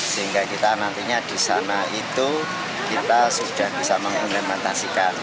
sehingga kita nantinya di sana itu kita sudah bisa mengimplementasikan